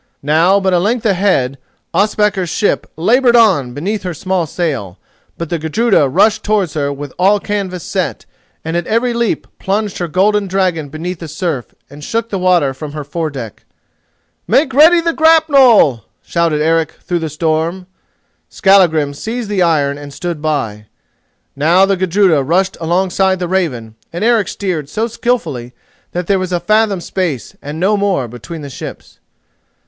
Now but a length ahead Ospakar's ship laboured on beneath her small sail, but the Gudruda rushed towards her with all canvas set and at every leap plunged her golden dragon beneath the surf and shook the water from her foredeck. "Make ready the grapnel!" shouted Eric through the storm. Skallagrim seized the iron and stood by. Now the Gudruda rushed alongside the Raven, and Eric steered so skilfully that there was a fathom space, and no more, between the ships.